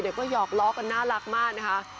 เดี๋ยวก็หยอกลอกมันน่ารักมากนะคะ